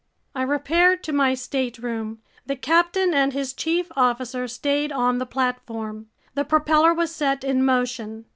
I repaired to my stateroom. The captain and his chief officer stayed on the platform. The propeller was set in motion.